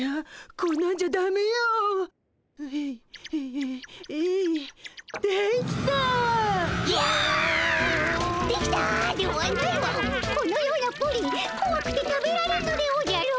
このようなプリンこわくて食べられぬでおじゃる。